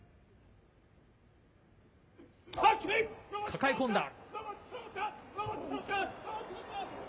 抱え込んだ。